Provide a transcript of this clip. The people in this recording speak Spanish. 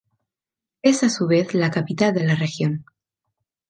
Es a su vez e la capital de la región.